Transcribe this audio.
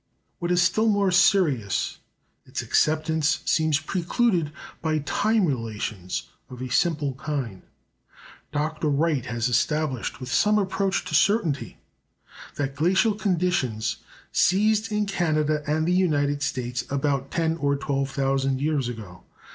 What is still more serious, its acceptance seems precluded by time relations of a simple kind. Dr. Wright has established with some approach to certainty that glacial conditions ceased in Canada and the United States about ten or twelve thousand years ago.